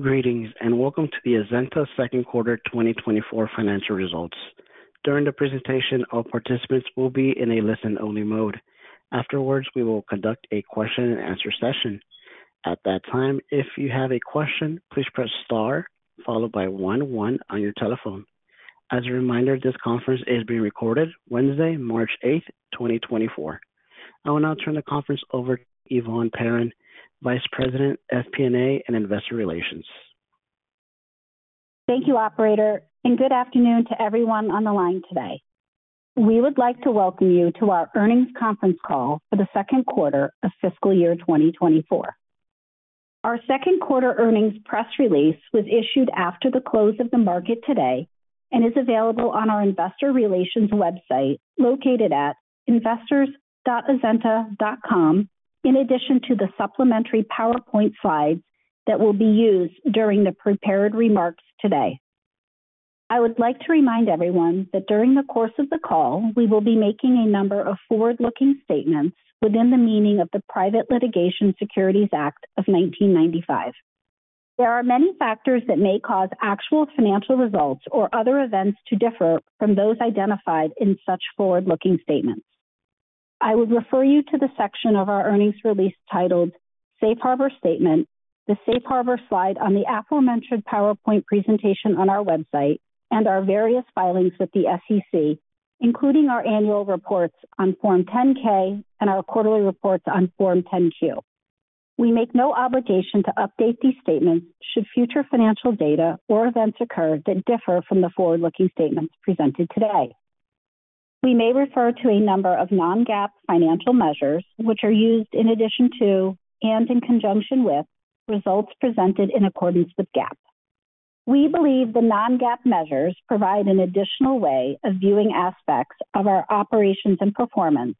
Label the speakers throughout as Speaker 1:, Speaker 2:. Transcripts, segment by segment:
Speaker 1: Greetings, and welcome to the Azenta second quarter 2024 financial results. During the presentation, all participants will be in a listen-only mode. Afterwards, we will conduct a question-and-answer session. At that time, if you have a question, please press star followed by 11 on your telephone. As a reminder, this conference is being recorded Wednesday, March 8, 2024. I will now turn the conference over to Yvonne Perron, Vice President, FP&A, and Investor Relations.
Speaker 2: Thank you, operator, and good afternoon to everyone on the line today. We would like to welcome you to our earnings conference call for the second quarter of fiscal year 2024. Our second quarter earnings press release was issued after the close of the market today and is available on our investor relations website, located at investors.azenta.com, in addition to the supplementary PowerPoint slides that will be used during the prepared remarks today. I would like to remind everyone that during the course of the call, we will be making a number of forward-looking statements within the meaning of the Private Securities Litigation Reform Act of 1995. There are many factors that may cause actual financial results or other events to differ from those identified in such forward-looking statements. I would refer you to the section of our earnings release titled "Safe Harbor Statement," the Safe Harbor slide on the aforementioned PowerPoint presentation on our website, and our various filings with the SEC, including our annual reports on Form 10-K and our quarterly reports on Form 10-Q. We make no obligation to update these statements should future financial data or events occur that differ from the forward-looking statements presented today. We may refer to a number of non-GAAP financial measures, which are used in addition to, and in conjunction with, results presented in accordance with GAAP. We believe the non-GAAP measures provide an additional way of viewing aspects of our operations and performance,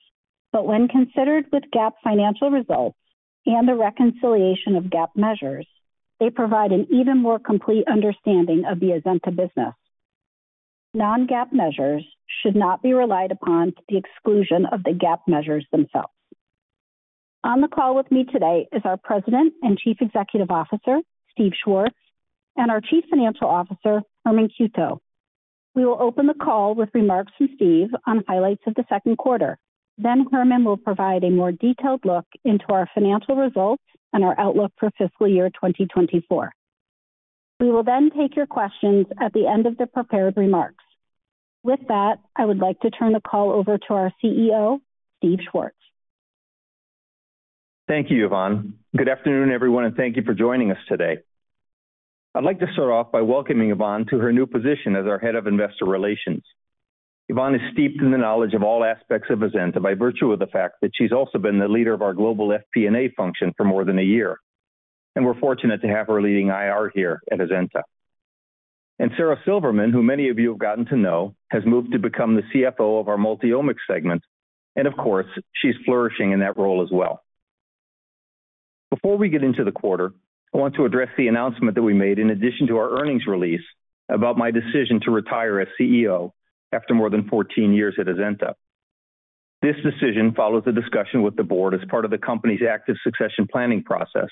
Speaker 2: but when considered with GAAP financial results and the reconciliation of GAAP measures, they provide an even more complete understanding of the Azenta business. Non-GAAP measures should not be relied upon to the exclusion of the GAAP measures themselves. On the call with me today is our President and Chief Executive Officer, Steve Schwartz, and our Chief Financial Officer, Herman Cueto. We will open the call with remarks from Steve on highlights of the second quarter. Then Herman will provide a more detailed look into our financial results and our outlook for fiscal year 2024. We will then take your questions at the end of the prepared remarks. With that, I would like to turn the call over to our CEO, Steve Schwartz.
Speaker 3: Thank you, Yvonne. Good afternoon, everyone, and thank you for joining us today. I'd like to start off by welcoming Yvonne to her new position as our Head of Investor Relations. Yvonne is steeped in the knowledge of all aspects of Azenta by virtue of the fact that she's also been the leader of our global FP&A function for more than 14 years, and we're fortunate to have her leading IR here at Azenta. And Sarah Silverman, who many of you have gotten to know, has moved to become the CFO of our Multiomics segment, and of course, she's flourishing in that role as well. Before we get into the quarter, I want to address the announcement that we made in addition to our earnings release about my decision to retire as CEO after more than 14 years at Azenta. This decision follows a discussion with the board as part of the company's active succession planning process.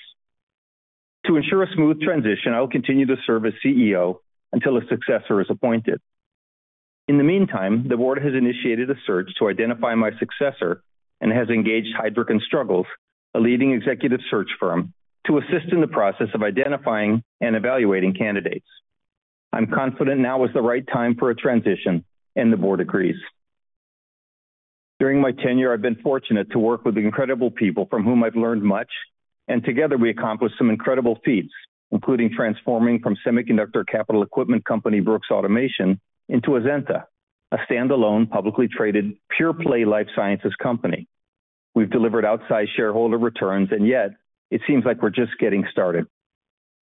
Speaker 3: To ensure a smooth transition, I will continue to serve as CEO until a successor is appointed. In the meantime, the board has initiated a search to identify my successor and has engaged Heidrick & Struggles, a leading executive search firm, to assist in the process of identifying and evaluating candidates. I'm confident now is the right time for a transition, and the board agrees. During my tenure, I've been fortunate to work with incredible people from whom I've learned much, and together we accomplished some incredible feats, including transforming from semiconductor capital equipment company, Brooks Automation, into Azenta, a standalone, publicly traded, pure-play life sciences company. We've delivered outsized shareholder returns, and yet, it seems like we're just getting started.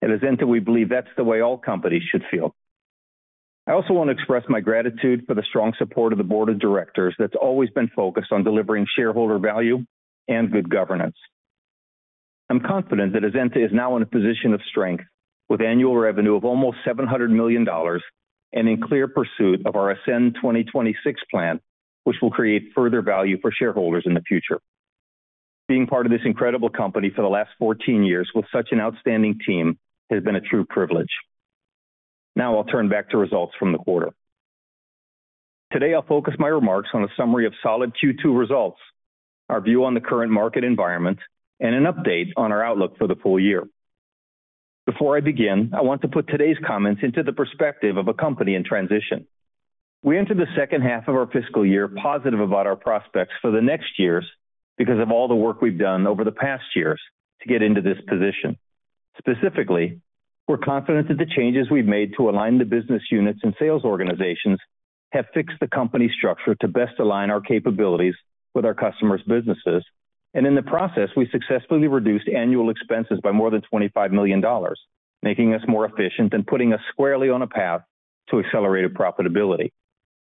Speaker 3: At Azenta, we believe that's the way all companies should feel. I also want to express my gratitude for the strong support of the board of directors that's always been focused on delivering shareholder value and good governance. I'm confident that Azenta is now in a position of strength, with annual revenue of almost $700 million and in clear pursuit of our Ascend 2026 plan, which will create further value for shareholders in the future. Being part of this incredible company for the last 14 years with such an outstanding team has been a true privilege. Now I'll turn back to results from the quarter. Today, I'll focus my remarks on a summary of solid Q2 results, our view on the current market environment, and an update on our outlook for the full year. Before I begin, I want to put today's comments into the perspective of a company in transition. We entered the second half of our fiscal year positive about our prospects for the next years because of all the work we've done over the past years to get into this position. Specifically, we're confident that the changes we've made to align the business units and sales organizations have fixed the company structure to best align our capabilities with our customers' businesses. And in the process, we successfully reduced annual expenses by more than $25 million, making us more efficient and putting us squarely on a path to accelerated profitability.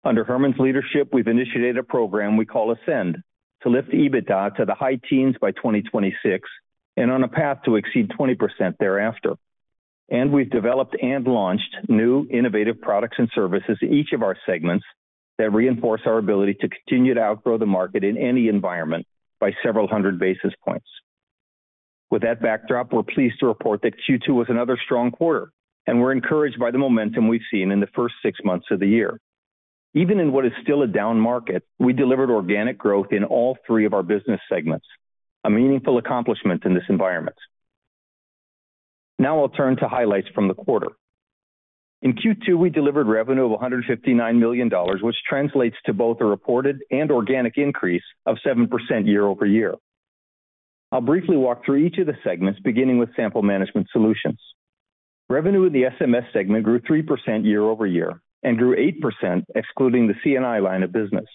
Speaker 3: Under Herman's leadership, we've initiated a program we call Ascend to lift EBITDA to the high teens by 2026 and on a path to exceed 20% thereafter. And we've developed and launched new innovative products and services in each of our segments.... that reinforce our ability to continue to outgrow the market in any environment by several hundred basis points. With that backdrop, we're pleased to report that Q2 was another strong quarter, and we're encouraged by the momentum we've seen in the first six months of the year. Even in what is still a down market, we delivered organic growth in all three of our business segments, a meaningful accomplishment in this environment. Now I'll turn to highlights from the quarter. In Q2, we delivered revenue of $159 million, which translates to both a reported and organic increase of 7% year-over-year. I'll briefly walk through each of the segments, beginning with Sample Management Solutions. Revenue in the SMS segment grew 3% year-over-year and grew 8%, excluding the C&I line of business.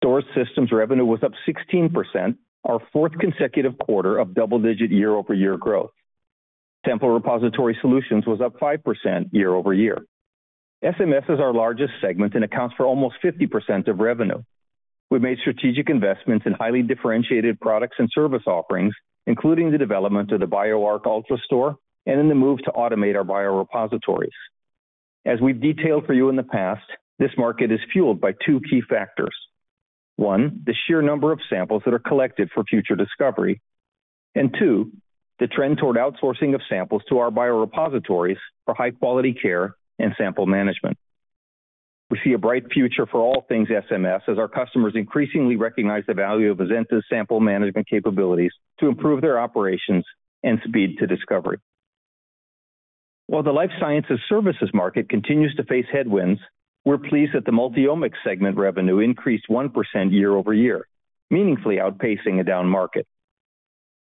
Speaker 3: Storage Systems revenue was up 16%, our fourth consecutive quarter of double-digit year-over-year growth. Sample Repository Solutions was up 5% year-over-year. SMS is our largest segment and accounts for almost 50% of revenue. We've made strategic investments in highly differentiated products and service offerings, including the development of the BioArc Ultra and in the move to automate our biorepositories. As we've detailed for you in the past, this market is fueled by two key factors: one, the sheer number of samples that are collected for future discovery, and two, the trend toward outsourcing of samples to our biorepositories for high-quality care and sample management. We see a bright future for all things SMS, as our customers increasingly recognize the value of Azenta's sample management capabilities to improve their operations and speed to discovery. While the life sciences services market continues to face headwinds, we're pleased that the Multiomics segment revenue increased 1% year-over-year, meaningfully outpacing a down market.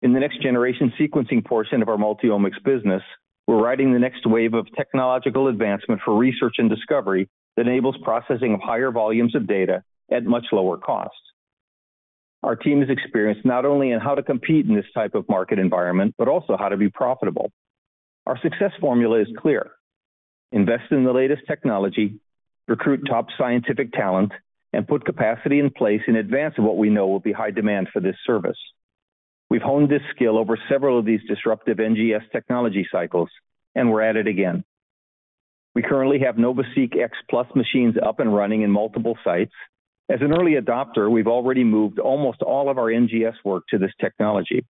Speaker 3: In the next-generation sequencing portion of our Multiomics business, we're riding the next wave of technological advancement for research and discovery that enables processing of higher volumes of data at much lower costs. Our team is experienced not only in how to compete in this type of market environment, but also how to be profitable. Our success formula is clear: invest in the latest technology, recruit top scientific talent, and put capacity in place in advance of what we know will be high demand for this service. We've honed this skill over several of these disruptive NGS technology cycles, and we're at it again. We currently have NovaSeq X Plus machines up and running in multiple sites. As an early adopter, we've already moved almost all of our NGS work to this technology.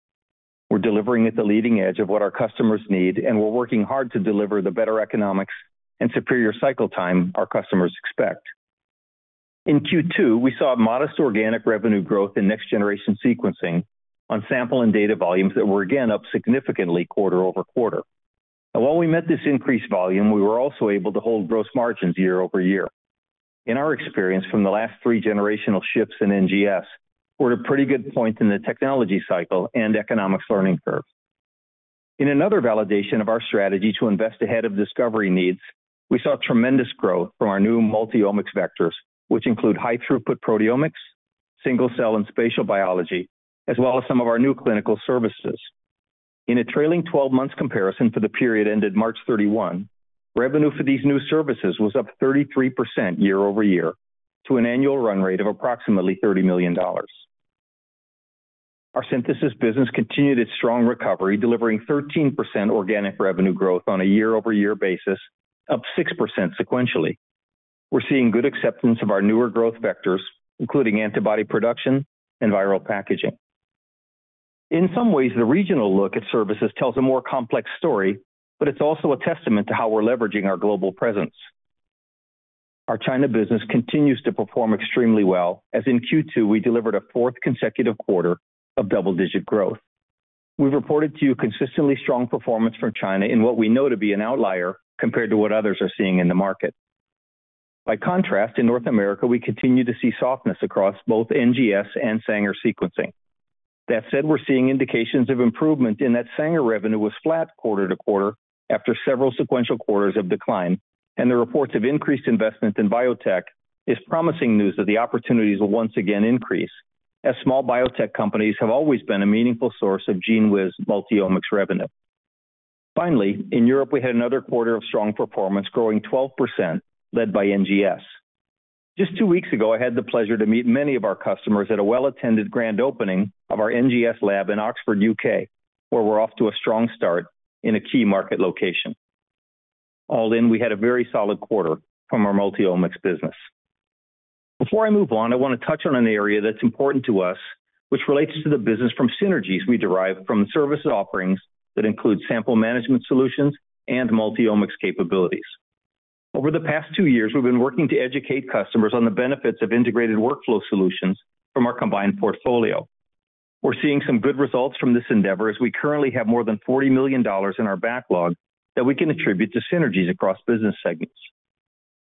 Speaker 3: We're delivering at the leading edge of what our customers need, and we're working hard to deliver the better economics and superior cycle time our customers expect. In Q2, we saw a modest organic revenue growth in next-generation sequencing on sample and data volumes that were again up significantly quarter-over-quarter. And while we met this increased volume, we were also able to hold gross margins year-over-year. In our experience, from the last three generational shifts in NGS, we're at a pretty good point in the technology cycle and economics learning curve. In another validation of our strategy to invest ahead of discovery needs, we saw tremendous growth from our new Multiomics vectors, which include high-throughput proteomics, single-cell and spatial biology, as well as some of our new clinical services. In a trailing twelve-months comparison for the period ended March 31, revenue for these new services was up 33% year-over-year, to an annual run rate of approximately $30 million. Our Synthesis business continued its strong recovery, delivering 13% organic revenue growth on a year-over-year basis, up 6% sequentially. We're seeing good acceptance of our newer growth vectors, including antibody production and viral packaging. In some ways, the regional look at services tells a more complex story, but it's also a testament to how we're leveraging our global presence. Our China business continues to perform extremely well, as in Q2, we delivered a fourth consecutive quarter of double-digit growth. We've reported to you consistently strong performance from China in what we know to be an outlier compared to what others are seeing in the market. By contrast, in North America, we continue to see softness across both NGS and Sanger sequencing. That said, we're seeing indications of improvement in that Sanger revenue was flat quarter to quarter after several sequential quarters of decline, and the reports of increased investment in biotech is promising news that the opportunities will once again increase, as small biotech companies have always been a meaningful source of GENEWIZ Multiomics revenue. Finally, in Europe, we had another quarter of strong performance, growing 12%, led by NGS. Just two weeks ago, I had the pleasure to meet many of our customers at a well-attended grand opening of our NGS lab in Oxford, U.K., where we're off to a strong start in a key market location. All in, we had a very solid quarter from our Multiomics business. Before I move on, I want to touch on an area that's important to us, which relates to the business from synergies we derive from service offerings that include Sample Management Solutions and Multiomics capabilities. Over the past two years, we've been working to educate customers on the benefits of integrated workflow solutions from our combined portfolio. We're seeing some good results from this endeavor, as we currently have more than $40 million in our backlog that we can attribute to synergies across business segments.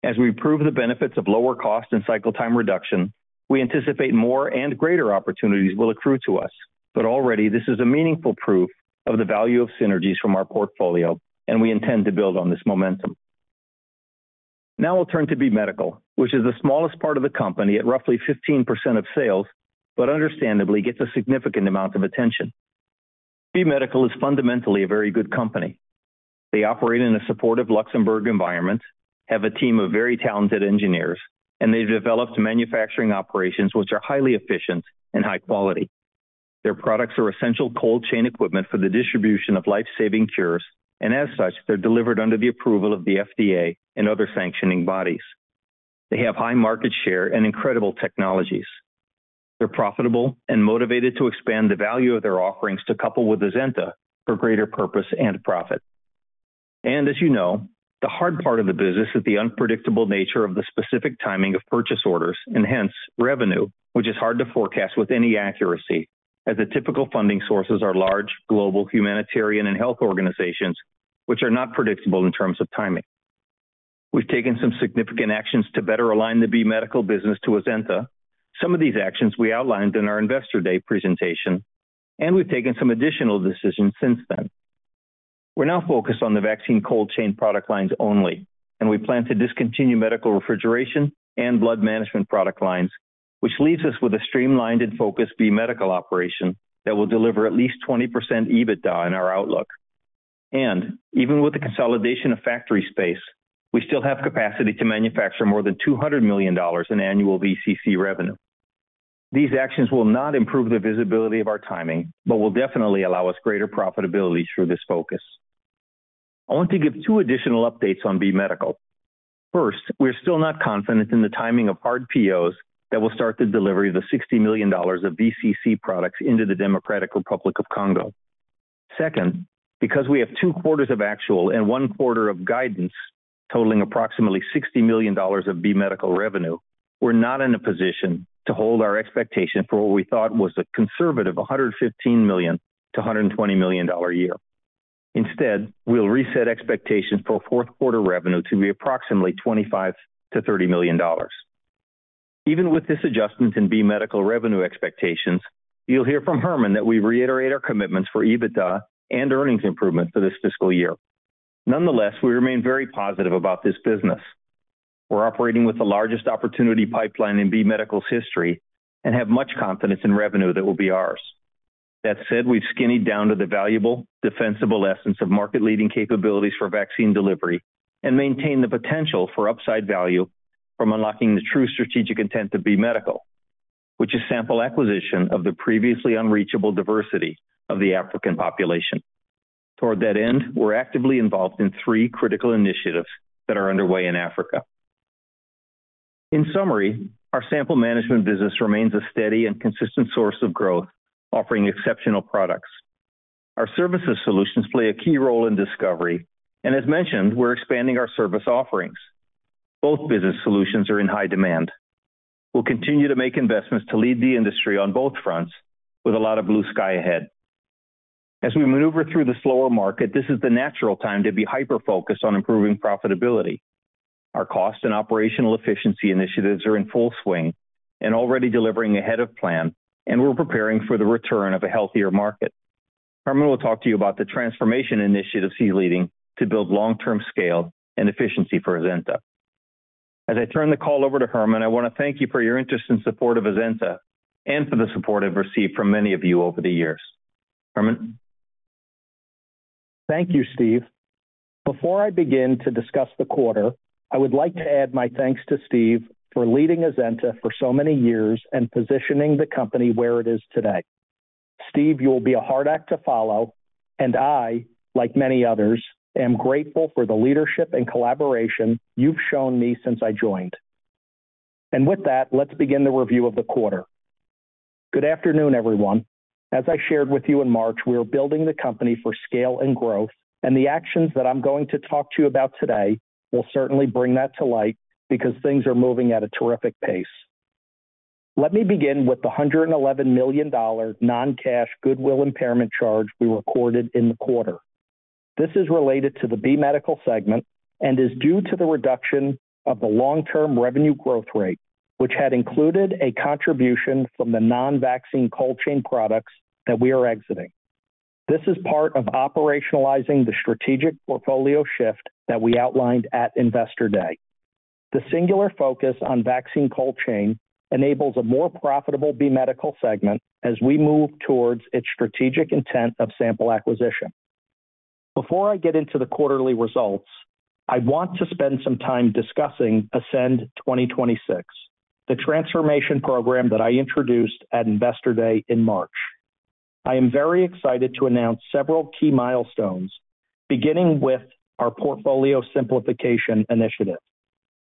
Speaker 3: As we prove the benefits of lower cost and cycle time reduction, we anticipate more and greater opportunities will accrue to us. But already, this is a meaningful proof of the value of synergies from our portfolio, and we intend to build on this momentum. Now I'll turn to B Medical, which is the smallest part of the company at roughly 15% of sales, but understandably gets a significant amount of attention. B Medical is fundamentally a very good company. They operate in a supportive Luxembourg environment, have a team of very talented engineers, and they've developed manufacturing operations which are highly efficient and high quality. Their products are essential cold chain equipment for the distribution of life-saving cures, and as such, they're delivered under the approval of the FDA and other sanctioning bodies. They have high market share and incredible technologies. They're profitable and motivated to expand the value of their offerings to couple with Azenta for greater purpose and profit. As you know, the hard part of the business is the unpredictable nature of the specific timing of purchase orders and hence, revenue, which is hard to forecast with any accuracy, as the typical funding sources are large, global, humanitarian, and health organizations, which are not predictable in terms of timing. We've taken some significant actions to better align the B Medical business to Azenta. Some of these actions we outlined in our Investor Day presentation, and we've taken some additional decisions since then. We're now focused on the vaccine cold chain product lines only, and we plan to discontinue medical refrigeration and blood management product lines, which leaves us with a streamlined and focused B Medical operation that will deliver at least 20% EBITDA in our outlook. Even with the consolidation of factory space, we still have capacity to manufacture more than $200 million in annual VCC revenue. These actions will not improve the visibility of our timing, but will definitely allow us greater profitability through this focus. I want to give two additional updates on B Medical. First, we're still not confident in the timing of hard POs that will start the delivery of the $60 million of VCC products into the Democratic Republic of the Congo. Second, because we have two quarters of actual and one quarter of guidance, totaling approximately $60 million of B Medical revenue, we're not in a position to hold our expectation for what we thought was a conservative $115 million-$120 million dollar year. Instead, we'll reset expectations for fourth quarter revenue to be approximately $25 million-$30 million. Even with this adjustment in B Medical revenue expectations, you'll hear from Herman that we reiterate our commitments for EBITDA and earnings improvement for this fiscal year. Nonetheless, we remain very positive about this business. We're operating with the largest opportunity pipeline in B Medical's history and have much confidence in revenue that will be ours. That said, we've skinnied down to the valuable, defensible essence of market-leading capabilities for vaccine delivery and maintained the potential for upside value from unlocking the true strategic intent of B Medical, which is sample acquisition of the previously unreachable diversity of the African population. Toward that end, we're actively involved in three critical initiatives that are underway in Africa. In summary, our sample management business remains a steady and consistent source of growth, offering exceptional products. Our services solutions play a key role in discovery, and as mentioned, we're expanding our service offerings. Both business solutions are in high demand. We'll continue to make investments to lead the industry on both fronts with a lot of blue sky ahead. As we maneuver through the slower market, this is the natural time to be hyper-focused on improving profitability. Our cost and operational efficiency initiatives are in full swing and already delivering ahead of plan, and we're preparing for the return of a healthier market. Herman will talk to you about the transformation initiatives he's leading to build long-term scale and efficiency for Azenta. As I turn the call over to Herman, I wanna thank you for your interest and support of Azenta and for the support I've received from many of you over the years. Herman?
Speaker 4: Thank you, Steve. Before I begin to discuss the quarter, I would like to add my thanks to Steve for leading Azenta for so many years and positioning the company where it is today. Steve, you'll be a hard act to follow, and I, like many others, am grateful for the leadership and collaboration you've shown me since I joined. And with that, let's begin the review of the quarter. Good afternoon, everyone. As I shared with you in March, we are building the company for scale and growth, and the actions that I'm going to talk to you about today will certainly bring that to light because things are moving at a terrific pace. Let me begin with the $111 million non-cash goodwill impairment charge we recorded in the quarter. This is related to the B Medical segment and is due to the reduction of the long-term revenue growth rate, which had included a contribution from the non-vaccine cold chain products that we are exiting. This is part of operationalizing the strategic portfolio shift that we outlined at Investor Day. The singular focus on vaccine cold chain enables a more profitable B Medical segment as we move towards its strategic intent of sample acquisition. Before I get into the quarterly results, I want to spend some time discussing Ascend 2026, the transformation program that I introduced at Investor Day in March. I am very excited to announce several key milestones, beginning with our portfolio simplification initiative.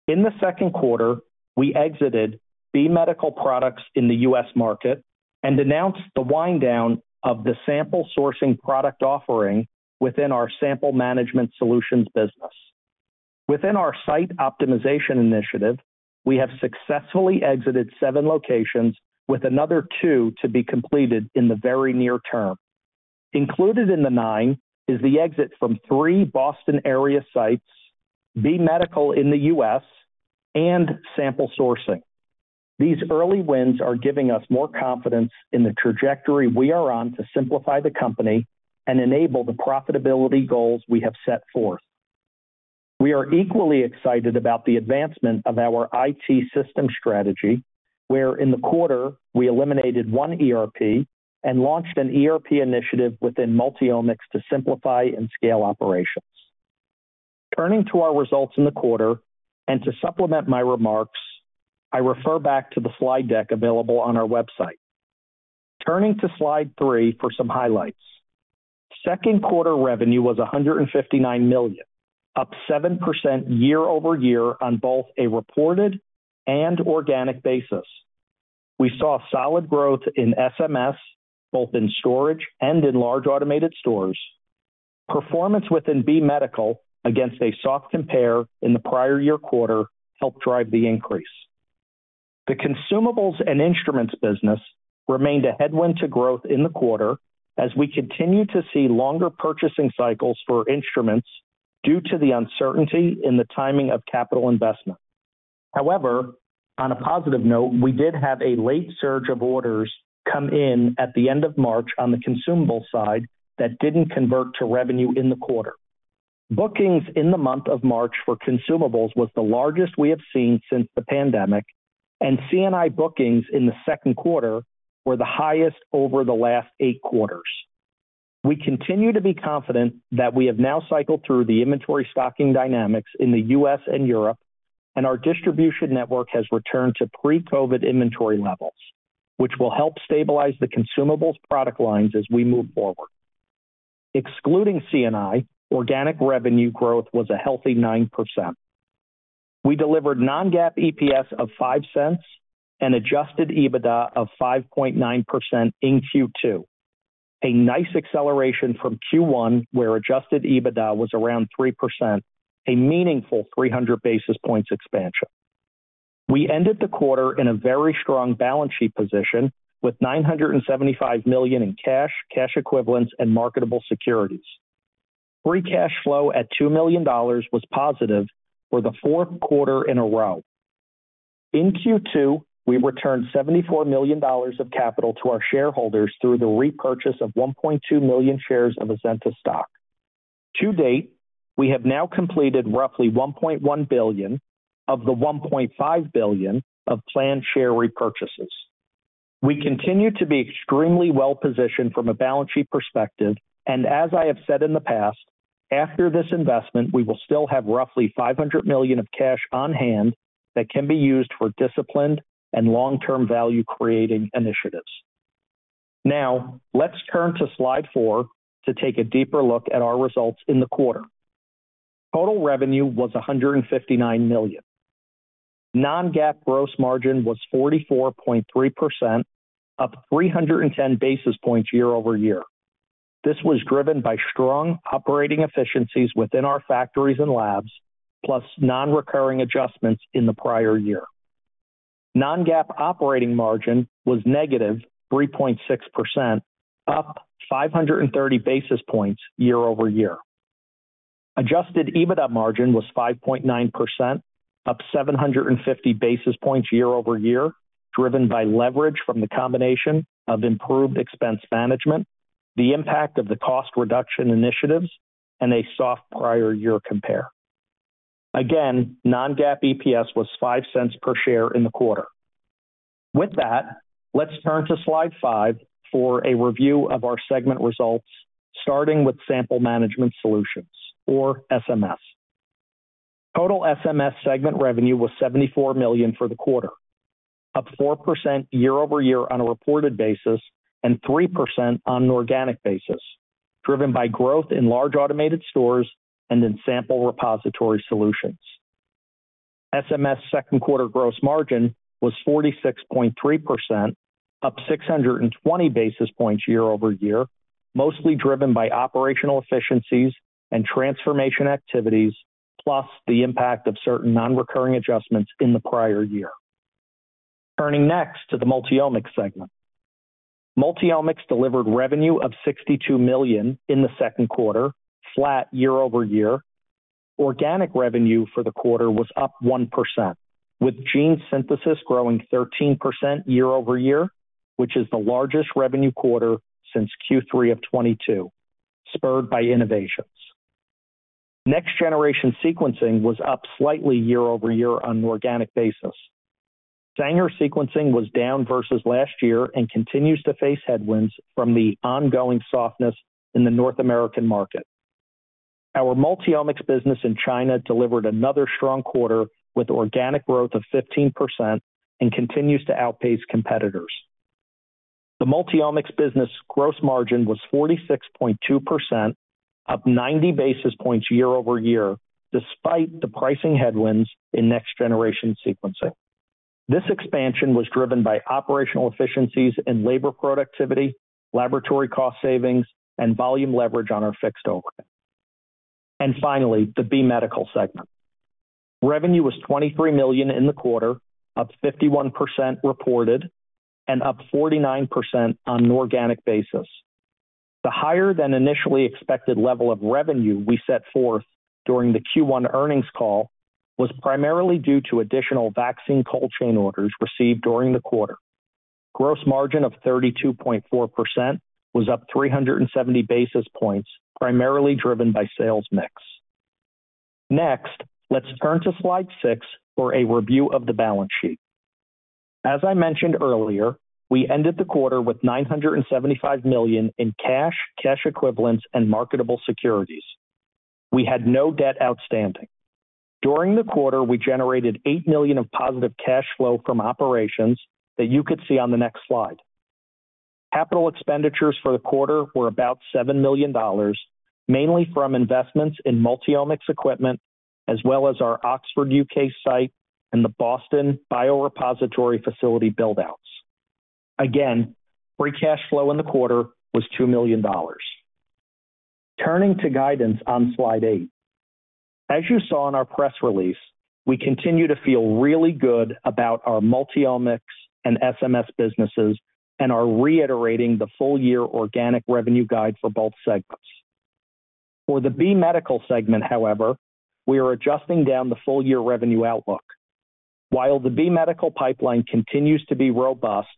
Speaker 4: In the second quarter, we exited B Medical products in the U.S. market and announced the wind down of the sample sourcing product offering within our Sample Management Solutions business. Within our site optimization initiative, we have successfully exited seven locations, with another two to be completed in the very near term. Included in the nine is the exit from three Boston area sites, B Medical in the U.S., and sample sourcing. These early wins are giving us more confidence in the trajectory we are on to simplify the company and enable the profitability goals we have set forth. We are equally excited about the advancement of our IT system strategy, where in the quarter we eliminated one ERP and launched an ERP initiative within Multiomics to simplify and scale operations. Turning to our results in the quarter, and to supplement my remarks, I refer back to the slide deck available on our website. Turning to slide three for some highlights. Second quarter revenue was $159 million, up 7% year-over-year on both a reported and organic basis. We saw solid growth in SMS, both in storage and in large automated stores. Performance within B Medical, against a soft compare in the prior year quarter, helped drive the increase. The consumables and instruments business remained a headwind to growth in the quarter as we continue to see longer purchasing cycles for instruments due to the uncertainty in the timing of capital investment. However, on a positive note, we did have a late surge of orders come in at the end of March on the consumable side that didn't convert to revenue in the quarter. Bookings in the month of March for consumables was the largest we have seen since the pandemic, and C&I bookings in the second quarter were the highest over the last eight quarters. We continue to be confident that we have now cycled through the inventory stocking dynamics in the US and Europe, and our distribution network has returned to pre-COVID inventory levels, which will help stabilize the consumables product lines as we move forward. Excluding C&I, organic revenue growth was a healthy 9%. We delivered non-GAAP EPS of $0.05 and adjusted EBITDA of 5.9% in Q2, a nice acceleration from Q1, where adjusted EBITDA was around 3%, a meaningful 300 basis points expansion. We ended the quarter in a very strong balance sheet position, with $975 million in cash, cash equivalents, and marketable securities. Free cash flow at $2 million was positive for the fourth quarter in a row. In Q2, we returned $74 million of capital to our shareholders through the repurchase of 1.2 million shares of Azenta stock. To date, we have now completed roughly $1.1 billion of the $1.5 billion of planned share repurchases. We continue to be extremely well-positioned from a balance sheet perspective, and as I have said in the past, after this investment, we will still have roughly $500 million of cash on hand that can be used for disciplined and long-term value-creating initiatives. Now, let's turn to slide four to take a deeper look at our results in the quarter. Total revenue was $159 million. Non-GAAP gross margin was 44.3%, up 310 basis points year-over-year. This was driven by strong operating efficiencies within our factories and labs, plus non-recurring adjustments in the prior year. Non-GAAP operating margin was negative 3.6%, up 530 basis points year-over-year. Adjusted EBITDA margin was 5.9%, up 750 basis points year-over-year, driven by leverage from the combination of improved expense management, the impact of the cost reduction initiatives, and a soft prior year compare. Again, non-GAAP EPS was $0.05 per share in the quarter. With that, let's turn to slide five for a review of our segment results, starting with Sample Management Solutions or SMS. Total SMS segment revenue was $74 million for the quarter, up 4% year-over-year on a reported basis, and 3% on an organic basis, driven by growth in large automated stores and in sample repository solutions. SMS second quarter gross margin was 46.3%, up 620 basis points year-over-year, mostly driven by operational efficiencies and transformation activities, plus the impact of certain non-recurring adjustments in the prior year. Turning next to the Multiomics segment. Multiomics delivered revenue of $62 million in the second quarter, flat year-over-year. Organic revenue for the quarter was up 1%, with Gene Synthesis growing 13% year-over-year, which is the largest revenue quarter since Q3 of 2022, spurred by innovations. Next-Generation Sequencing was up slightly year-over-year on an organic basis. Sanger Sequencing was down versus last year and continues to face headwinds from the ongoing softness in the North America market. Our Multiomics business in China delivered another strong quarter, with organic growth of 15%, and continues to outpace competitors. The Multiomics business gross margin was 46.2%, up 90 basis points year-over-year, despite the pricing headwinds in next generation sequencing. This expansion was driven by operational efficiencies and labor productivity, laboratory cost savings, and volume leverage on our fixed overhead. Finally, the B Medical segment. Revenue was $23 million in the quarter, up 51% reported and up 49% on an organic basis. The higher than initially expected level of revenue we set forth during the Q1 earnings call was primarily due to additional vaccine cold chain orders received during the quarter. Gross margin of 32.4% was up 370 basis points, primarily driven by sales mix. Next, let's turn to slide six for a review of the balance sheet. As I mentioned earlier, we ended the quarter with $975 million in cash, cash equivalents, and marketable securities. We had no debt outstanding. During the quarter, we generated $8 million of positive cash flow from operations that you could see on the next slide. Capital expenditures for the quarter were about $7 million, mainly from investments in Multiomics equipment, as well as our Oxford, U.K. site and the Boston biorepository facility build-outs. Again, free cash flow in the quarter was $2 million. Turning to guidance on Slide 8. As you saw in our press release, we continue to feel really good about our Multiomics and SMS businesses, and are reiterating the full-year organic revenue guide for both segments. For the B Medical segment, however, we are adjusting down the full year revenue outlook. While the B Medical pipeline continues to be robust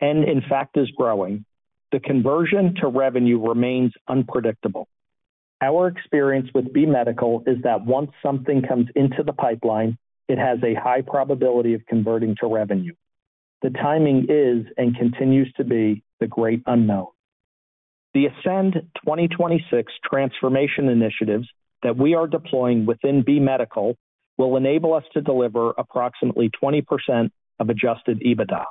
Speaker 4: and in fact is growing, the conversion to revenue remains unpredictable. Our experience with B Medical is that once something comes into the pipeline, it has a high probability of converting to revenue. The timing is, and continues to be, the great unknown. The Ascend 2026 transformation initiatives that we are deploying within B Medical will enable us to deliver approximately 20% of adjusted EBITDA.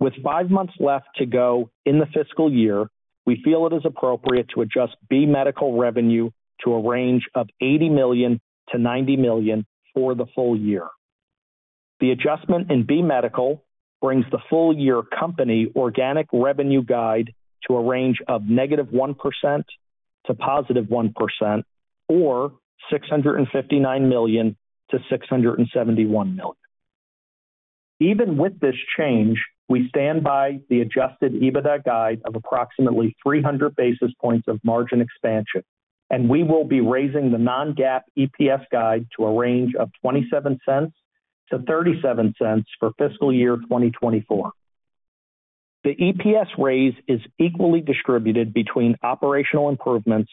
Speaker 4: With five months left to go in the fiscal year, we feel it is appropriate to adjust B Medical revenue to a range of $80 million-$90 million for the full year. The adjustment in B Medical brings the full year company organic revenue guide to a range of -1% to +1%, or $659 million-$671 million. Even with this change, we stand by the adjusted EBITDA guide of approximately 300 basis points of margin expansion, and we will be raising the non-GAAP EPS guide to a range of $0.27-$0.37 for fiscal year 2024. The EPS raise is equally distributed between operational improvements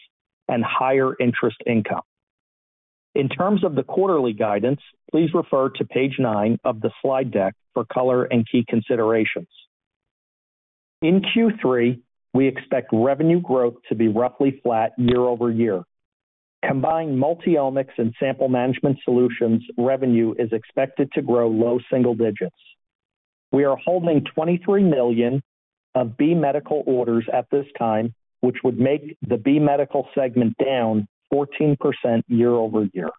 Speaker 4: and higher interest income. In terms of the quarterly guidance, please refer to page nine of the slide deck for color and key considerations. In Q3, we expect revenue growth to be roughly flat year-over-year. Combined, Multiomics and Sample Management Solutions revenue is expected to grow low single digits. We are holding $23 million of B Medical orders at this time, which would make the B Medical segment down 14% year-over-year.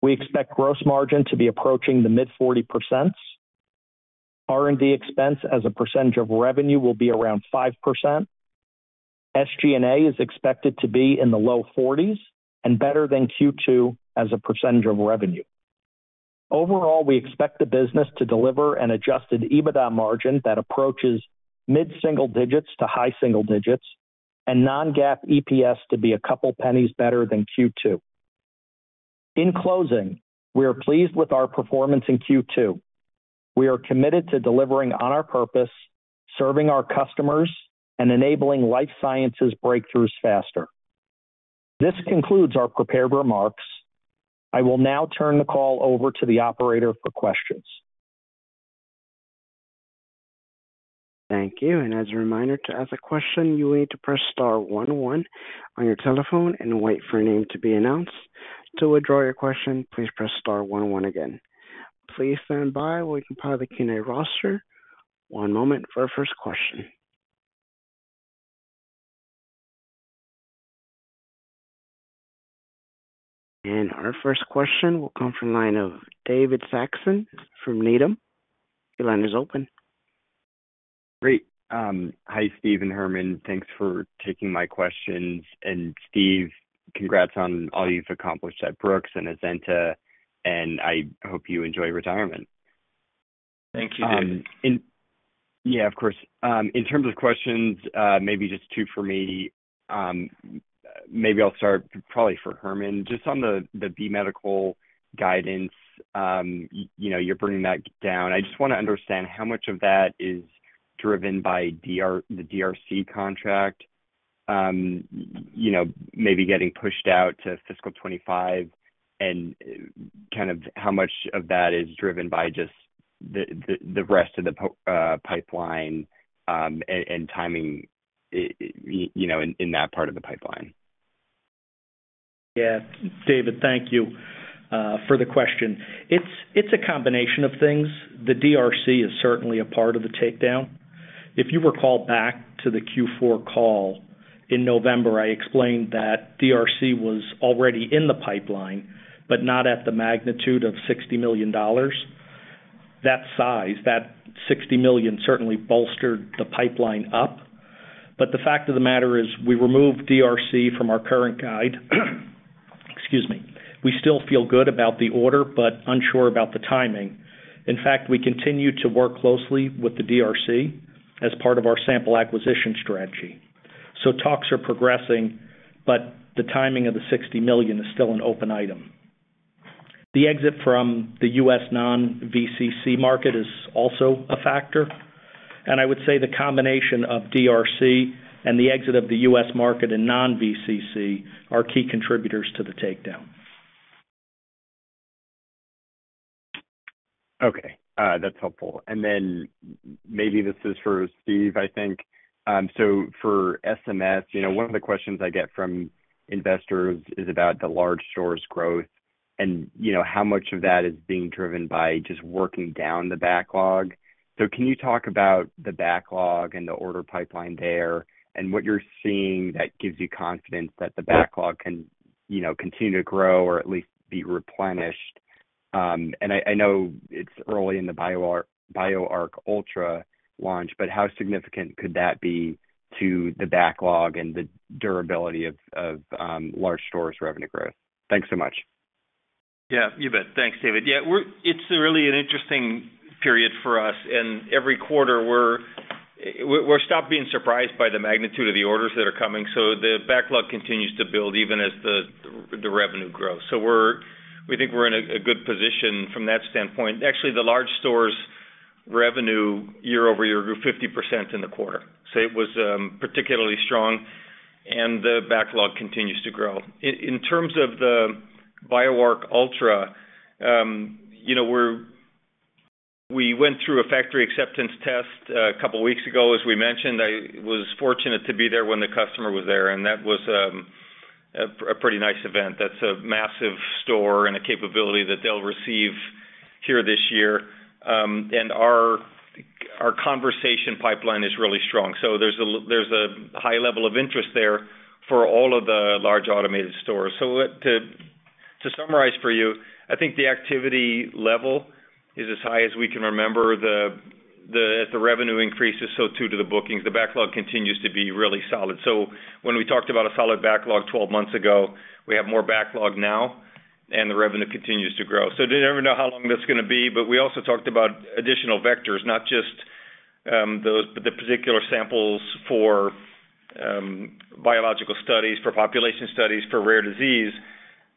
Speaker 4: We expect gross margin to be approaching the mid-40%. R&D expense as a percentage of revenue will be around 5%. SG&A is expected to be in the low 40s and better than Q2 as a percentage of revenue. Overall, we expect the business to deliver an adjusted EBITDA margin that approaches mid-single digits to high single digits, and non-GAAP EPS to be a couple pennies better than Q2. In closing, we are pleased with our performance in Q2. We are committed to delivering on our purpose, serving our customers, and enabling life sciences breakthroughs faster. This concludes our prepared remarks. I will now turn the call over to the operator for questions.
Speaker 1: Thank you. And as a reminder, to ask a question, you will need to press star one, one on your telephone and wait for your name to be announced. To withdraw your question, please press star one, one again. Please stand by while we compile the Q&A roster. One moment for our first question. And our first question will come from the line of David Saxon from Needham. Your line is open.
Speaker 5: Great. Hi, Steve and Herman. Thanks for taking my questions. And Steve, congrats on all you've accomplished at Brooks and Azenta, and I hope you enjoy retirement.
Speaker 3: Thank you, David.
Speaker 5: And yeah, of course. In terms of questions, maybe just two for me. Maybe I'll start probably for Herman. Just on the B Medical guidance, you know, you're bringing that down. I just wanna understand how much of that is driven by the DRC contract, you know, maybe getting pushed out to fiscal 2025, and kind of how much of that is driven by just the rest of the pipeline, and timing, you know, in that part of the pipeline?
Speaker 4: Yeah, David, thank you for the question. It's, it's a combination of things. The DRC is certainly a part of the takedown. If you recall back to the Q4 call in November, I explained that DRC was already in the pipeline, but not at the magnitude of $60 million. That size, that $60 million, certainly bolstered the pipeline up. But the fact of the matter is, we removed DRC from our current guide. Excuse me. We still feel good about the order, but unsure about the timing. In fact, we continue to work closely with the DRC as part of our sample acquisition strategy. So talks are progressing, but the timing of the $60 million is still an open item. The exit from the U.S. non-VCC market is also a factor, and I would say the combination of DRC and the exit of the U.S. market and non-VCC are key contributors to the takedown.
Speaker 5: Okay, that's helpful. And then maybe this is for Steve, I think. So for SMS, you know, one of the questions I get from investors is about the large stores growth and, you know, how much of that is being driven by just working down the backlog. So can you talk about the backlog and the order pipeline there, and what you're seeing that gives you confidence that the backlog can, you know, continue to grow or at least be replenished? And I know it's early in the BioArc Ultra launch, but how significant could that be to the backlog and the durability of large stores revenue growth? Thanks so much.
Speaker 3: Yeah, you bet. Thanks, David. Yeah, we're—it's really an interesting period for us, and every quarter we're stopped being surprised by the magnitude of the orders that are coming, so the backlog continues to build even as the revenue grows. So we're—we think we're in a good position from that standpoint. Actually, the large storage revenue year-over-year grew 50% in the quarter. So it was particularly strong, and the backlog continues to grow. In terms of the BioArc Ultra, you know, we're—we went through a factory acceptance test a couple weeks ago, as we mentioned. I was fortunate to be there when the customer was there, and that was a pretty nice event. That's a massive storage and a capability that they'll receive here this year. And our conversation pipeline is really strong. So there's a high level of interest there for all of the large automated stores. So to, to summarize for you, I think the activity level is as high as we can remember. The revenue increases, so too, to the bookings. The backlog continues to be really solid. So when we talked about a solid backlog 12 months ago, we have more backlog now, and the revenue continues to grow. So didn't ever know how long that's gonna be, but we also talked about additional vectors, not just, those, the particular samples for, biological studies, for population studies, for rare disease,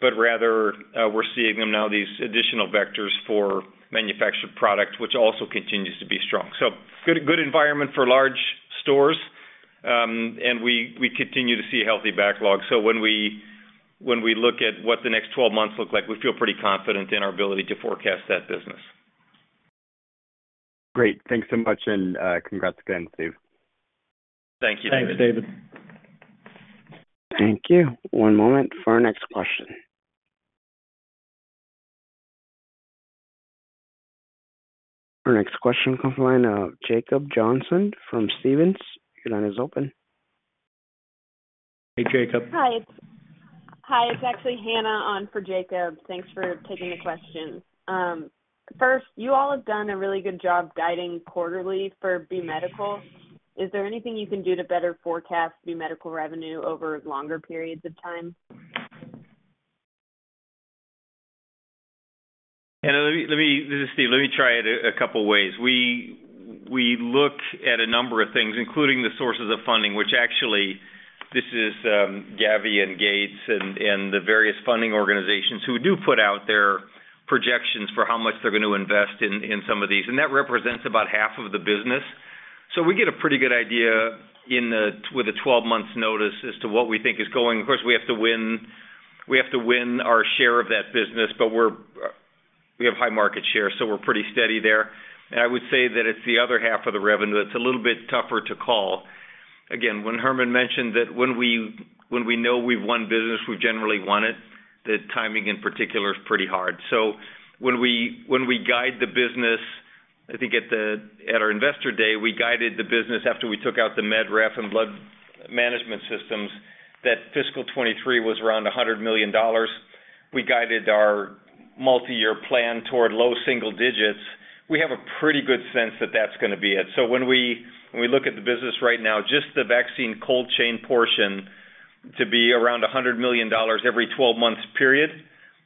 Speaker 3: but rather, we're seeing them now, these additional vectors for manufactured product, which also continues to be strong. So good, good environment for large stores, and we, we continue to see healthy backlog. So when we look at what the next 12 months look like, we feel pretty confident in our ability to forecast that business.
Speaker 5: Great. Thanks so much, and congrats again, Steve.
Speaker 3: Thank you, David.
Speaker 1: Thanks, David. Thank you. One moment for our next question. Our next question comes from the line of Jacob Johnson from Stephens. Your line is open.
Speaker 3: Hey, Jacob.
Speaker 6: Hi. Hi, it's actually Hannah on for Jacob. Thanks for taking the question. First, you all have done a really good job guiding quarterly for B Medical. Is there anything you can do to better forecast B Medical revenue over longer periods of time?
Speaker 3: Hannah, let me... This is Steve. Let me try it a couple ways. We look at a number of things, including the sources of funding, which actually, this is Gavi and Gates and the various funding organizations who do put out their projections for how much they're going to invest in some of these, and that represents about half of the business. So we get a pretty good idea with a 12-month notice as to what we think is going. Of course, we have to win our share of that business, but we have high market share, so we're pretty steady there. And I would say that it's the other half of the revenue that's a little bit tougher to call. Again, when Herman mentioned that when we know we've won business, we've generally won it, the timing, in particular, is pretty hard. So when we guide the business, I think at our Investor Day, we guided the business after we took out the med ref and blood management systems, that fiscal 2023 was around $100 million. We guided our multiyear plan toward low single digits. We have a pretty good sense that that's gonna be it. So when we look at the business right now, just the vaccine cold chain portion to be around $100 million every 12 months period,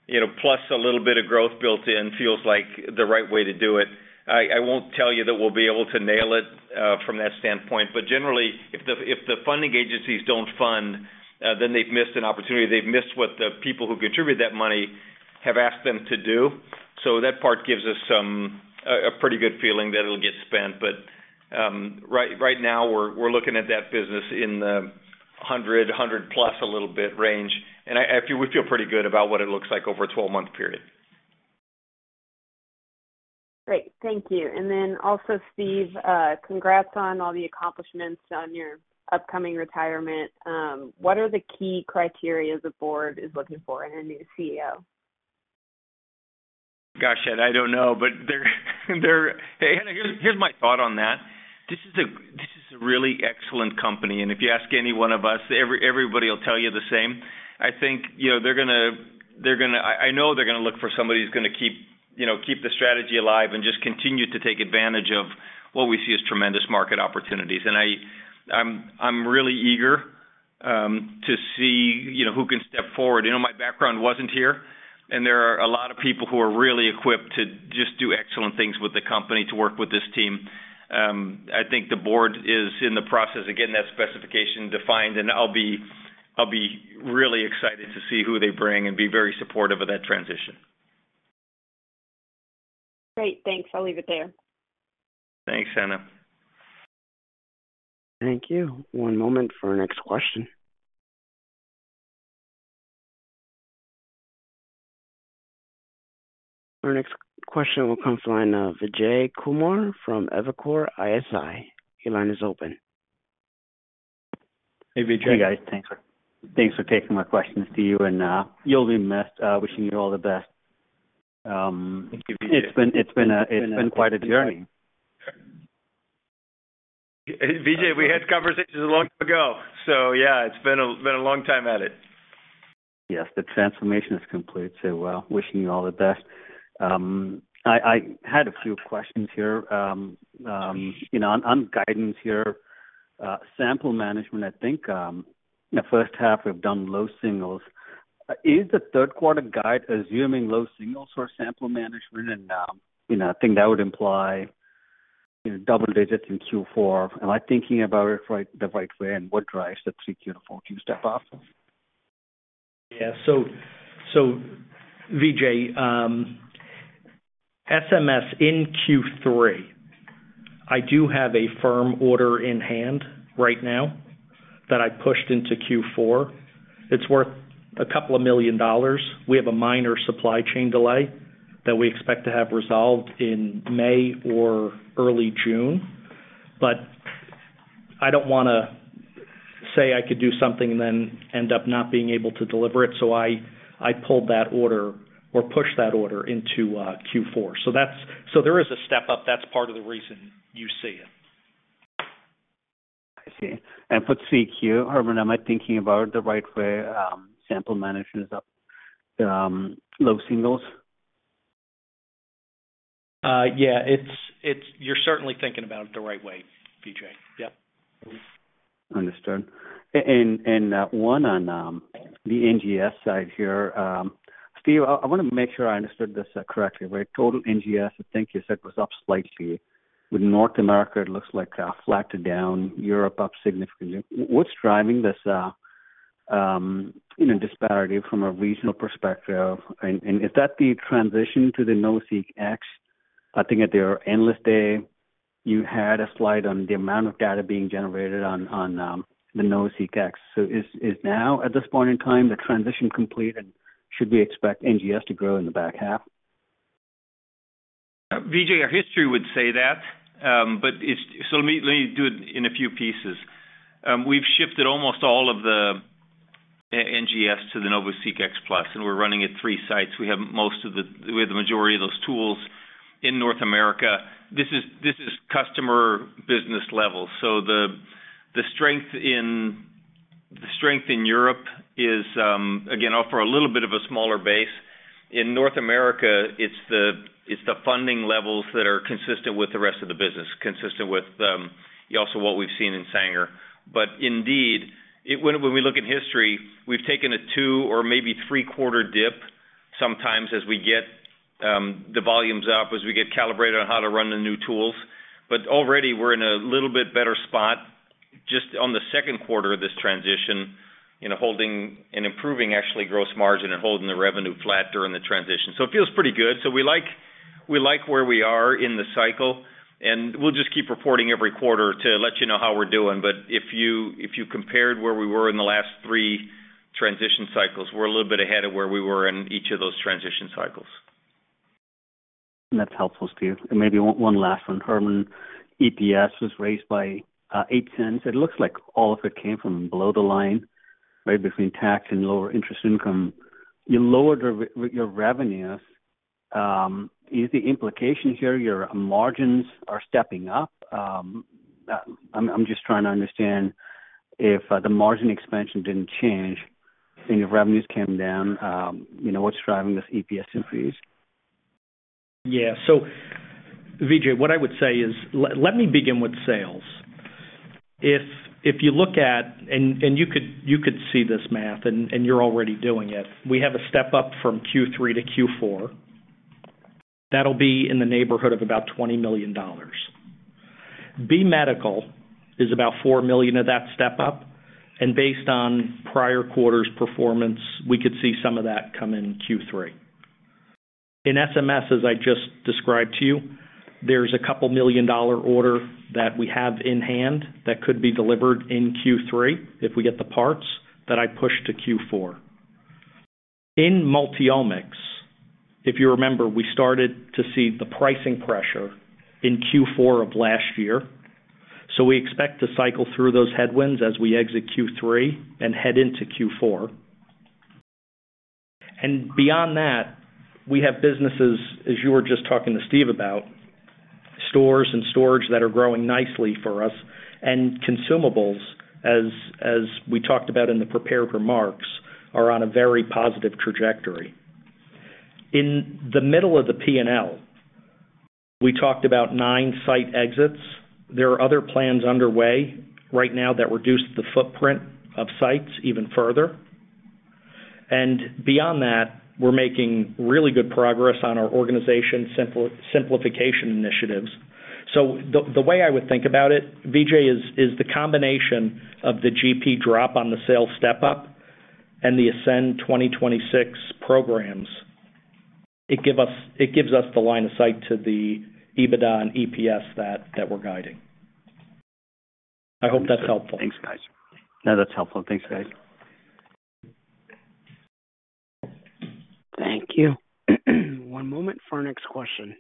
Speaker 3: you know, plus a little bit of growth built in, feels like the right way to do it. I won't tell you that we'll be able to nail it from that standpoint, but generally, if the funding agencies don't fund, then they've missed an opportunity. They've missed what the people who contribute that money have asked them to do. So that part gives us some a pretty good feeling that it'll get spent. But right now, we're looking at that business in the 100+ a little bit range, and I feel—we feel pretty good about what it looks like over a 12-month period.
Speaker 6: Great. Thank you. And then also, Steve, congrats on all the accomplishments on your upcoming retirement. What are the key criteria the board is looking for in a new CEO?
Speaker 3: Gosh, I don't know, but they're, Hannah, here's my thought on that: This is a really excellent company, and if you ask any one of us, everybody will tell you the same. I think, you know, they're gonna. I know they're gonna look for somebody who's gonna keep the strategy alive and just continue to take advantage of what we see as tremendous market opportunities. And I'm really eager to see, you know, who can step forward. You know, my background wasn't here, and there are a lot of people who are really equipped to just do excellent things with the company, to work with this team. I think the board is in the process of getting that specification defined, and I'll be really excited to see who they bring and be very supportive of that transition.
Speaker 6: Great, thanks. I'll leave it there.
Speaker 4: Thanks, Anna.
Speaker 1: Thank you. One moment for our next question. Our next question will come from the line of Vijay Kumar from Evercore ISI. Your line is open.
Speaker 4: Hey, Vijay.
Speaker 7: Hey, guys. Thanks for taking my questions, Steve, and you'll be missed. Wishing you all the best.
Speaker 3: Thank you, Vijay.
Speaker 7: It's been quite a journey.
Speaker 4: Vijay, we had conversations long ago, so yeah, it's been a long time at it.
Speaker 7: Yes, the transformation is complete, so, well, wishing you all the best. I had a few questions here. You know, on guidance here, sample management, I think, in the first half, we've done low singles. Is the third quarter guide assuming low singles for sample management? And, you know, I think that would imply, you know, double digits in Q4. Am I thinking about it right, the right way, and what drives the Q4 to step up?
Speaker 4: Yeah. So, so Vijay, SMS in Q3, I do have a firm order in hand right now that I pushed into Q4. It's worth $2 million. We have a minor supply chain delay that we expect to have resolved in May or early June, but I don't wanna say I could do something and then end up not being able to deliver it, so I pulled that order or pushed that order into Q4. So that's... So there is a step up, that's part of the reason you see it.
Speaker 7: I see. And for Q2, Herman, am I thinking about it the right way, sample management is up low singles?
Speaker 4: Yeah, it's – you're certainly thinking about it the right way, Vijay. Yep.
Speaker 7: Understood. And one on the NGS side here. Steve, I wanna make sure I understood this correctly. Where total NGS, I think you said, was up slightly. With North America, it looks like flat to down, Europe, up significantly. What's driving this, you know, disparity from a regional perspective? And is that the transition to the NovaSeq X? I think at their analyst day, you had a slide on the amount of data being generated on the NovaSeq X. So is now, at this point in time, the transition complete, and should we expect NGS to grow in the back half?
Speaker 3: Vijay, our history would say that, but it's... So let me do it in a few pieces. We've shifted almost all of the NGS to the NovaSeq X Plus, and we're running at three sites. We have most of the-- We have the majority of those tools in North America. This is customer business level, so the strength in Europe is again off for a little bit of a smaller base. In North America, it's the funding levels that are consistent with the rest of the business, consistent with also what we've seen in Sanger. But indeed, it-- when we look at history, we've taken a 2- or maybe 3-quarter dip, sometimes as we get the volumes up, as we get calibrated on how to run the new tools. But already we're in a little bit better spot, just on the second quarter of this transition, you know, holding and improving actually gross margin and holding the revenue flat during the transition. So it feels pretty good. So we like, we like where we are in the cycle, and we'll just keep reporting every quarter to let you know how we're doing. But if you, if you compared where we were in the last three transition cycles, we're a little bit ahead of where we were in each of those transition cycles.
Speaker 7: That's helpful, Steve. And maybe one last one. Herman, EPS was raised by $0.08. It looks like all of it came from below the line, right between tax and lower interest income. You lowered your revenues. Is the implication here, your margins are stepping up? I'm just trying to understand if the margin expansion didn't change and your revenues came down, you know, what's driving this EPS increase?
Speaker 4: Yeah. So, Vijay, what I would say is, let me begin with sales. If you look at... And you could see this math, and you're already doing it. We have a step-up from Q3 to Q4. That'll be in the neighborhood of about $20 million. B Medical is about $4 million of that step-up, and based on prior quarters' performance, we could see some of that come in Q3. In SMS, as I just described to you, there's a $2 million order that we have in hand that could be delivered in Q3, if we get the parts that I pushed to Q4. In Multiomics, if you remember, we started to see the pricing pressure in Q4 of last year, so we expect to cycle through those headwinds as we exit Q3 and head into Q4. Beyond that, we have businesses, as you were just talking to Steve about, stores and storage that are growing nicely for us. Consumables, as we talked about in the prepared remarks, are on a very positive trajectory. In the middle of the P&L, we talked about nine site exits. There are other plans underway right now that reduce the footprint of sites even further. Beyond that, we're making really good progress on our organization simplification initiatives. So the way I would think about it, Vijay, is the combination of the GP drop on the sales step up and the ASCEND 2026 programs; it gives us the line of sight to the EBITDA and EPS that we're guiding. I hope that's helpful.
Speaker 7: Thanks, guys. No, that's helpful. Thanks, guys.
Speaker 1: Thank you. One moment for our next question.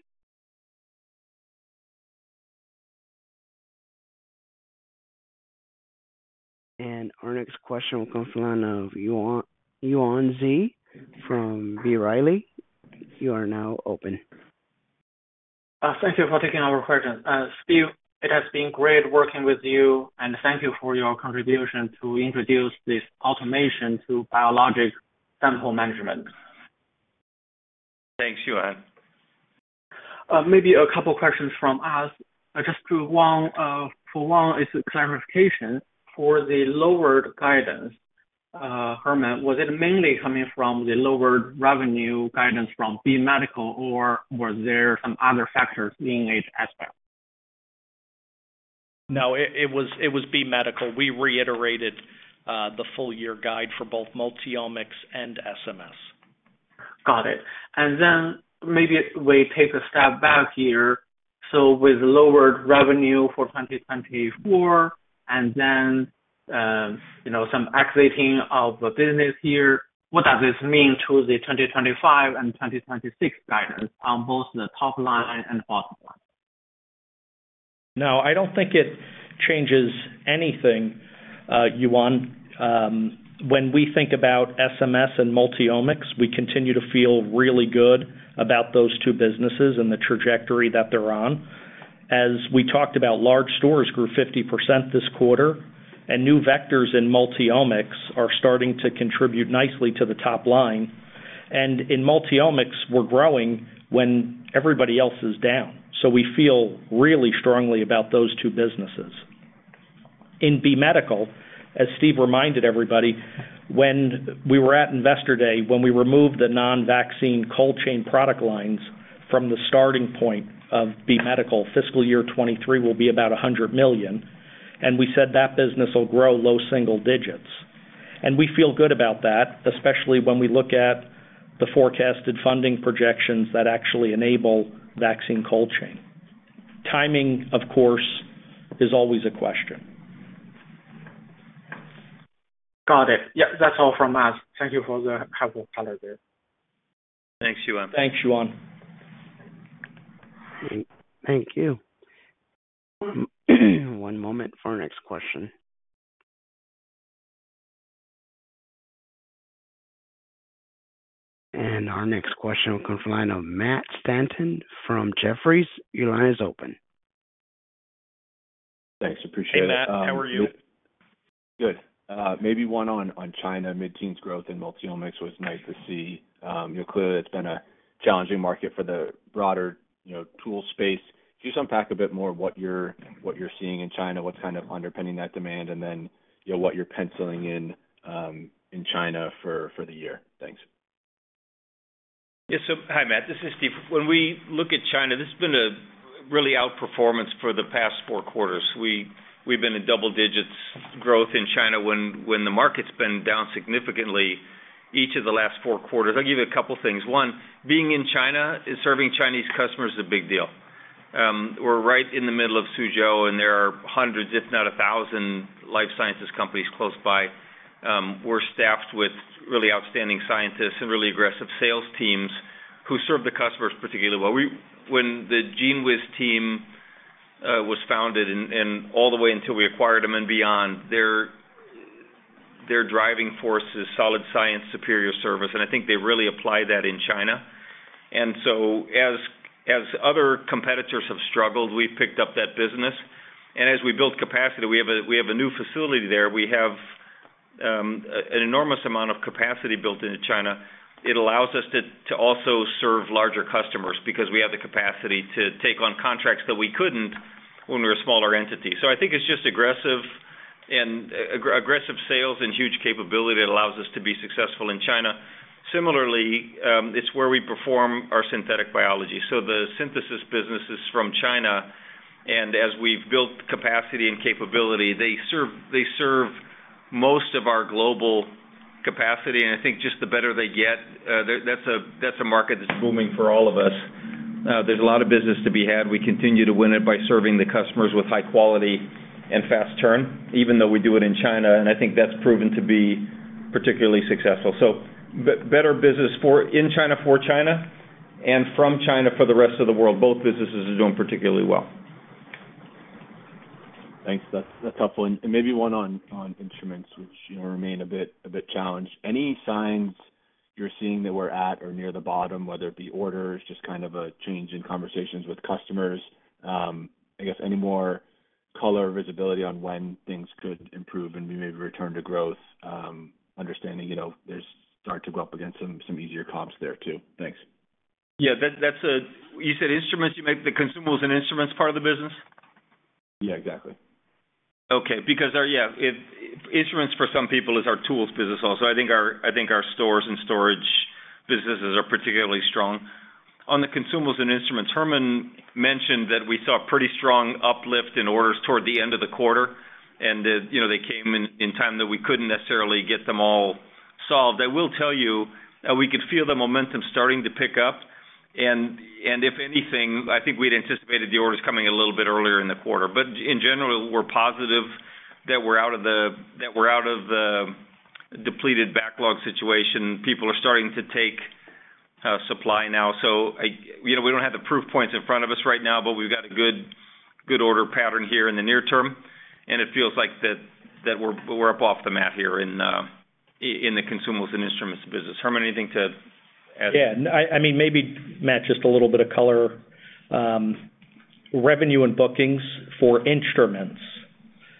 Speaker 1: Our next question will come from the line of Yuan Zhi from B. Riley. You are now open.
Speaker 8: Thank you for taking our question. Steve, it has been great working with you, and thank you for your contribution to introduce this automation to biologic sample management.
Speaker 3: Thanks, Yuan.
Speaker 8: Maybe a couple questions from us. Just to one, for one, is a clarification for the lowered guidance. Herman, was it mainly coming from the lower revenue guidance from B Medical, or were there some other factors in each aspect?
Speaker 4: No, it was B Medical. We reiterated the full year guide for both Multiomics and SMS.
Speaker 8: Got it. And then maybe we take a step back here. So with lowered revenue for 2024 and then, you know, some accelerating of the business here, what does this mean to the 2025 and 2026 guidance on both the top line and bottom line?
Speaker 4: No, I don't think it changes anything, Yuan. When we think about SMS and Multiomics, we continue to feel really good about those two businesses and the trajectory that they're on. As we talked about, large stores grew 50% this quarter, and new vectors in Multiomics are starting to contribute nicely to the top line. And in Multiomics, we're growing when everybody else is down, so we feel really strongly about those two businesses. In B Medical, as Steve reminded everybody, when we were at Investor Day, when we removed the non-vaccine cold chain product lines from the starting point of B Medical, fiscal year 2023 will be about $100 million, and we said that business will grow low single digits. And we feel good about that, especially when we look at the forecasted funding projections that actually enable vaccine cold chain. Timing, of course, is always a question.
Speaker 8: Got it. Yeah, that's all from us. Thank you for the helpful color there.
Speaker 4: Thanks, Yuan.
Speaker 8: Thanks, Yuan.
Speaker 1: Thank you. One moment for our next question. Our next question will come from the line of Matt Stanton from Jefferies. Your line is open.
Speaker 9: Thanks. Appreciate it.
Speaker 4: Hey, Matt. How are you?
Speaker 9: Good. Maybe one on China. Mid-teens growth in Multiomics was nice to see. You know, clearly it's been a challenging market for the broader, you know, tool space. Can you just unpack a bit more what you're seeing in China, what's kind of underpinning that demand, and then, you know, what you're penciling in, in China for the year? Thanks.
Speaker 3: Yeah. So hi, Matt, this is Steve. When we look at China, this has been a really outperformance for the past four quarters. We, we've been in double digits growth in China when, when the market's been down significantly each of the last four quarters. I'll give you a couple things. One, being in China and serving Chinese customers is a big deal. We're right in the middle of Suzhou, and there are hundreds, if not a thousand, life sciences companies close by. We're staffed with really outstanding scientists and really aggressive sales teams who serve the customers particularly well. When the GENEWIZ team was founded and all the way until we acquired them and beyond, their driving force is solid science, superior service, and I think they really apply that in China. As other competitors have struggled, we've picked up that business, and as we build capacity, we have a new facility there. We have an enormous amount of capacity built into China. It allows us to also serve larger customers, because we have the capacity to take on contracts that we couldn't when we were a smaller entity. So I think it's just aggressive and aggressive sales and huge capability that allows us to be successful in China. Similarly, it's where we perform our synthetic biology. So the synthesis business is from China, and as we've built capacity and capability, they serve most of our global capacity, and I think just the better they get, that's a market that's booming for all of us. There's a lot of business to be had. We continue to win it by serving the customers with high quality and fast turn, even though we do it in China, and I think that's proven to be particularly successful. So better business in China, for China and from China for the rest of the world. Both businesses are doing particularly well.
Speaker 9: Thanks. That's, that's helpful. And maybe one on, on instruments which, you know, remain a bit, a bit challenged. Any signs you're seeing that we're at or near the bottom, whether it be orders, just kind of a change in conversations with customers? I guess any more color or visibility on when things could improve and we may return to growth, understanding, you know, we start to go up against some, some easier comps there, too. Thanks.
Speaker 4: Yeah, that's... You said instruments. You mean the Consumables and Instruments part of the business?
Speaker 9: Yeah, exactly.
Speaker 3: Okay, because our instruments for some people is our tools business also. Yeah, it, I think our stores and storage.... businesses are particularly strong. On the consumables and instruments, Herman mentioned that we saw pretty strong uplift in orders toward the end of the quarter, and that, you know, they came in, in time, that we couldn't necessarily get them all solved. I will tell you that we could feel the momentum starting to pick up, and, and if anything, I think we'd anticipated the orders coming a little bit earlier in the quarter. But in general, we're positive that we're out of the, that we're out of the depleted backlog situation. People are starting to take supply now. So, you know, we don't have the proof points in front of us right now, but we've got a good order pattern here in the near term, and it feels like we're up off the mat here in the Consumables and Instruments business. Herman, anything to add?
Speaker 4: Yeah, I mean, maybe, Matt, just a little bit of color. Revenue and bookings for instruments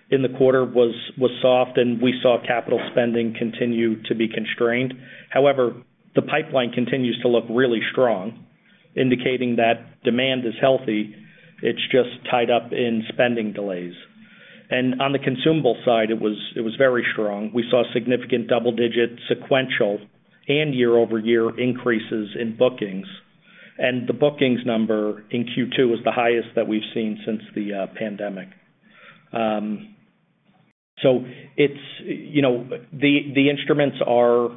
Speaker 4: in the quarter was soft, and we saw capital spending continue to be constrained. However, the pipeline continues to look really strong, indicating that demand is healthy. It's just tied up in spending delays. And on the consumable side, it was very strong. We saw significant double-digit sequential and year-over-year increases in bookings, and the bookings number in Q2 was the highest that we've seen since the pandemic. So it's, you know, the instruments are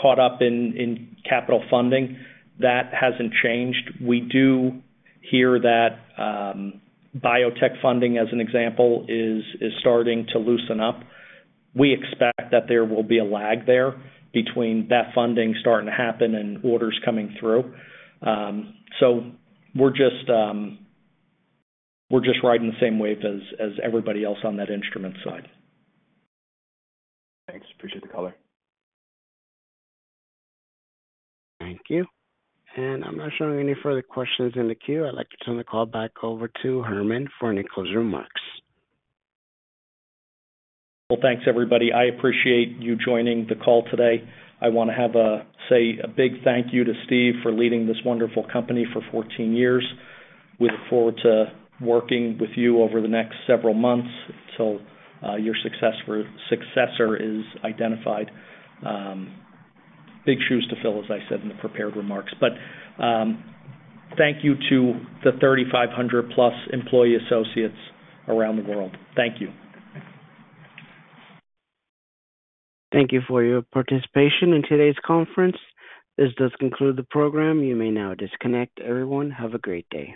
Speaker 4: caught up in capital funding. That hasn't changed. We do hear that biotech funding, as an example, is starting to loosen up. We expect that there will be a lag there between that funding starting to happen and orders coming through. So we're just riding the same wave as everybody else on that instrument side.
Speaker 9: Thanks. Appreciate the color.
Speaker 1: Thank you. I'm not showing any further questions in the queue. I'd like to turn the call back over to Herman for any closing remarks.
Speaker 4: Well, thanks, everybody. I appreciate you joining the call today. I want to have a... say a big thank you to Steve for leading this wonderful company for 14 years. We look forward to working with you over the next several months until your successor is identified. Big shoes to fill, as I said in the prepared remarks. But, thank you to the 3,500+ employee associates around the world. Thank you.
Speaker 1: Thank you for your participation in today's conference. This does conclude the program. You may now disconnect. Everyone, have a great day.